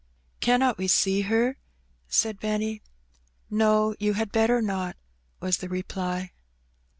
'' Cannot we see her? said Benny. ''No, you had better not/^ was the reply.